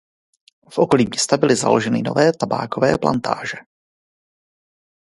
V okolí města byly založeny nové tabákové plantáže.